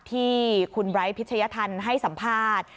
ที่คุณไบร์ทพิชยธรรมให้สัมภาษณ์